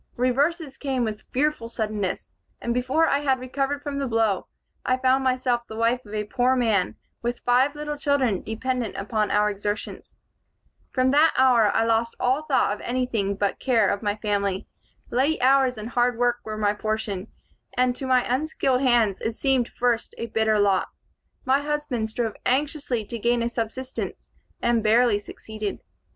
Reverses came with fearful suddenness, and before I had recovered from the blow, I found myself the wife of a poor man, with five little children dependent upon our exertions. "From that hour I lost all thought of anything but care of my family. Late hours and hard work were my portion, and to my unskilled hands it seemed first a bitter lot. My husband strove anxiously to gain a subsistence, and barely succeeded.